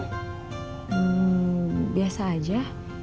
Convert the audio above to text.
hmm biasa aja